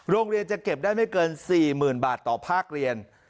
โรงเรียนจะเก็บได้ไม่เกิน๔๐๐๐บาทต่อภาคเรียน